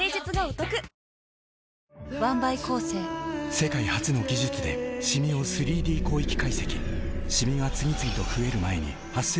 世界初の技術でシミを３Ｄ広域解析シミが次々と増える前に「メラノショットＷ」